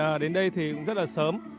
mình đến đây thì cũng rất là sớm